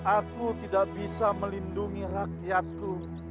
aku tidak bisa melindungi rakyatku